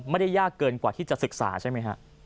ไม่ได้ยากเกินกว่าที่จะศึกษาใช่ไหมครับ